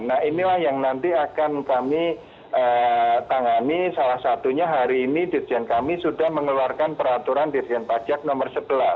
nah inilah yang nanti akan kami tangani salah satunya hari ini dirjen kami sudah mengeluarkan peraturan dirjen pajak nomor sebelas